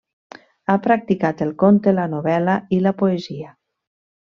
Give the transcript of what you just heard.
Ha practicat el conte, la novel·la i la poesia.